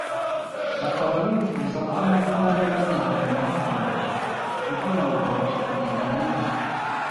bakaba bifuza ko na bo bajya bagenerwa amahugurwa kugira ban go babashe kugendana n’igihe